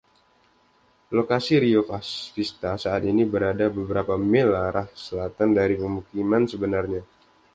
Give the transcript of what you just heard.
Lokasi Rio Vista saat ini berada beberapa mil arah selatan dari pemukiman sebenarnya.